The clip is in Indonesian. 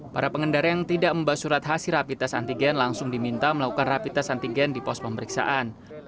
para pengendara yang tidak membawa surat hasil rapi tes antigen langsung diminta melakukan rapi tes antigen di pos pemeriksaan